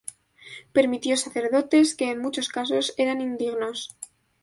Permitió sacerdotes que en muchos casos eran indignos.